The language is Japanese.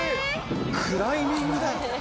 クライミングだよ。